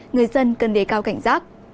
người dân cần để cao cảnh giác